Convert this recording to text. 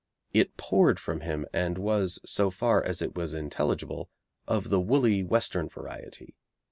It poured from him and was, so far as it was intelligible, of the woolly Western variety.